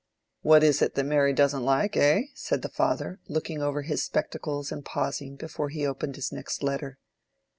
"What is that Mary doesn't like, eh?" said the father, looking over his spectacles and pausing before he opened his next letter.